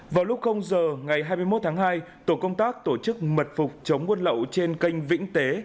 vào lúc giờ ngày hai mươi một tháng hai tổ công tác tổ chức mật phục chống quân lậu trên canh vĩnh tế